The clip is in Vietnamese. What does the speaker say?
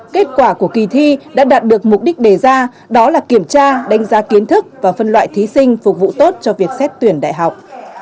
kết quả của kỳ thi đã đạt được mục đích đề ra đó là kiểm tra đánh giá kiến thức và phân loại thí sinh phục vụ tốt cho việc xét tuyển đại học